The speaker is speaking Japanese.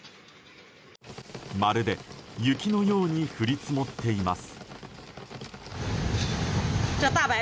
まるで雪のように降り積もっています。